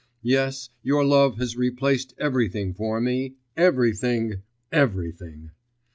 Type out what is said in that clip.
Yes, your love has replaced everything for me everything, everything!